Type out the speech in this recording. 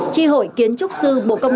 chi hội kiến trúc sư bộ công an